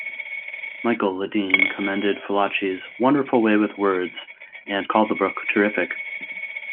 Michael Ledeen commended Fallaci's "wonderful way with words" and called the book "terrific".